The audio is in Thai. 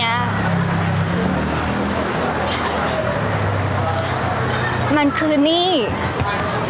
พี่ตอบได้แค่นี้จริงค่ะ